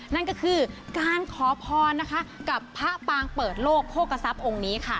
นั่นก็คือการขอพรนะคะกับพระปางเปิดโลกโภกษัพย์องค์นี้ค่ะ